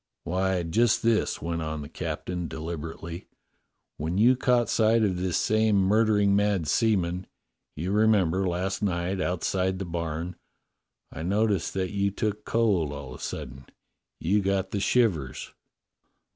"Why, just this," went on the captain deliberately. "When you caught sight of this same murdering mad seaman — you remember, last night, outside the barn — I noticed that you took cold all of a sudden; you got the shivers."